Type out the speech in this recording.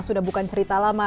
sudah bukan cerita lama